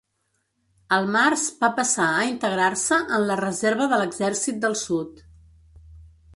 Al març va passar a integrar-se en la reserva de l'Exèrcit del Sud.